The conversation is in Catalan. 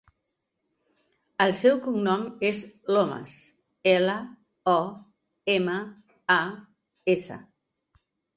El seu cognom és Lomas: ela, o, ema, a, essa.